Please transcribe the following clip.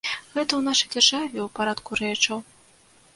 Гэта ў нашай дзяржаве ў парадку рэчаў.